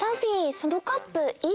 そのカップいいね！